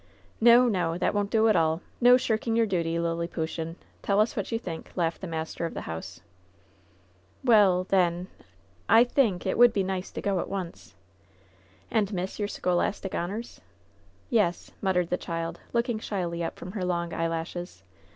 "No, no 1 That won't do at all ! No shirking your duty, Liliputian 1 Tell us what you think," laughed the master of the house. "Well — then — ^I — ^think — ^it would be nice to go at 126 LOVERS BITTEREST CUP "And miss your scholastic honors ?" "Yes," muttered the child, looking shyly up from her long eyelashes.